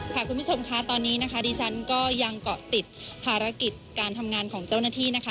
คุณผู้ชมค่ะตอนนี้นะคะดิฉันก็ยังเกาะติดภารกิจการทำงานของเจ้าหน้าที่นะคะ